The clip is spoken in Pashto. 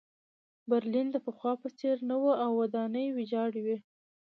برلین د پخوا په څېر نه و او ودانۍ ویجاړې وې